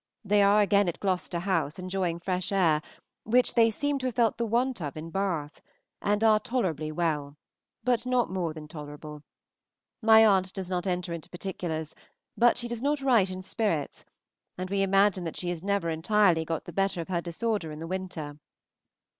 They are again at Gloucester House enjoying fresh air, which they seem to have felt the want of in Bath, and are tolerably well, but not more than tolerable. My aunt does not enter into particulars, but she does not write in spirits, and we imagine that she has never entirely got the better of her disorder in the winter.